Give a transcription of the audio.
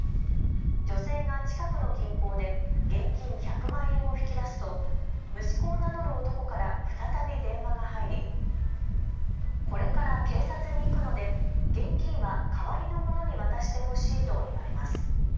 女性が近くの銀行で現金１００万円を引き出すと息子を名乗る男から再び電話が入り、これから警察に行くので現金は代わりの者に渡してほしいと言われます。